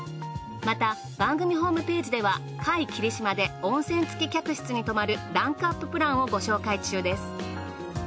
また番組ホームページでは界霧島で温泉付き客室に泊まるランクアッププランをご紹介中です。